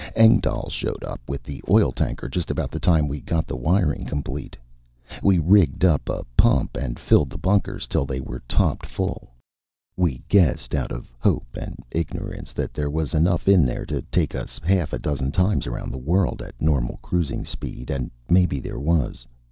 Engdahl showed up with the oil tanker just about the time we got the wiring complete. We rigged up a pump and filled the bunkers till they were topped off full. We guessed, out of hope and ignorance, that there was enough in there to take us half a dozen times around the world at normal cruising speed, and maybe there was.